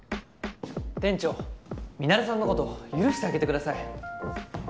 店長ミナレさんの事許してあげてください。